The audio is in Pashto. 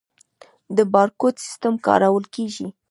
د بارکوډ سیستم کارول کیږي؟